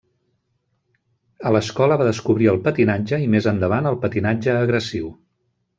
A l'escola va descobrir el patinatge i més endavant el patinatge agressiu.